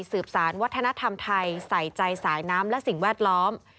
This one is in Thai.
สารวัฒนธรรมไทยใส่ใจสายน้ำและสิ่งแวดล้อม